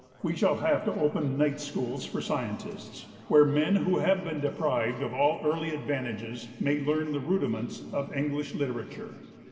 We shall have to open Night Schools for Scientists, where men who have been deprived of all early advantages may learn the rudiments of English literature.